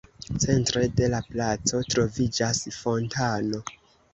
Centre de la placo troviĝas fontano.